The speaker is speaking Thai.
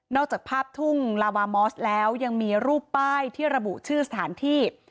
จากภาพทุ่งลาวามอสแล้วยังมีรูปป้ายที่ระบุชื่อสถานที่